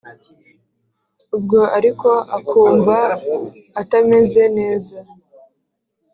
ubwo ariko akumva atameze neza,